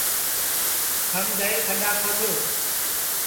تھم جائی کھڈؔا کھودؔو